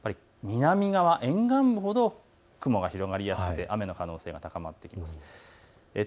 沿岸部ほど雲が広がりやすく雨の可能性が高くなります。